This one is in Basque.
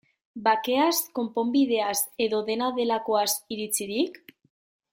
Bakeaz, konponbideaz, edo dena delakoaz iritzirik?